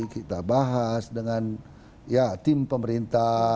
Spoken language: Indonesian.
kita bahas dengan ya tim pemerintah